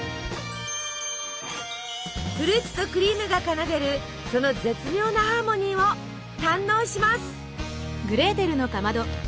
フルーツとクリームが奏でるその絶妙なハーモニーを堪能します。